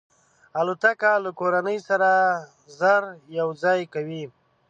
الوتکه له کورنۍ سره ژر یو ځای کوي.